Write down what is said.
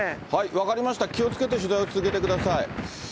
分かりました、気をつけて取材を続けてください。